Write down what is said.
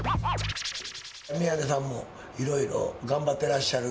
宮根さんも、いろいろ頑張ってらっしゃる。